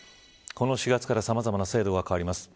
この４月からさまざまな制度が変わります。